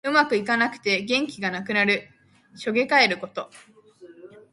うまくいかなくて元気がなくなる。しょげかえること。